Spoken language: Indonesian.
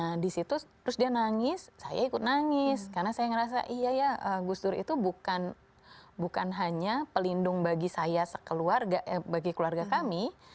nah disitu terus dia nangis saya ikut nangis karena saya merasa iya ya gus dur itu bukan hanya pelindung bagi saya bagi keluarga kami